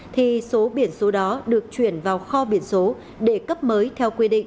thì số biển số đó được chuyển vào kho biển số để cấp mới theo quy định